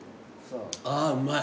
あぁうまい。